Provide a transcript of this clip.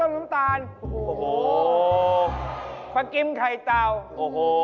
มากินไข่เตาโอ้โฮ